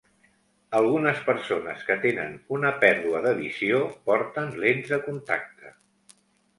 Algunes persones que tenen una pèrdua de visió porten lents de contacte.